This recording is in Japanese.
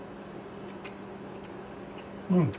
うん。